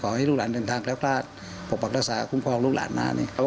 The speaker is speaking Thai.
ขอให้ลูกหลานเดินทางแล้วก็ปกปรักษาคุ้มพร้อมลูกหลานหน้า